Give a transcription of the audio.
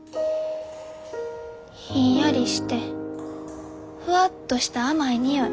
ひんやりしてふわっとした甘い匂い。